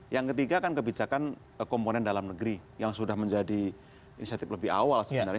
yang ketiga kan kebijakan komponen dalam negeri yang sudah menjadi inisiatif lebih awal sebenarnya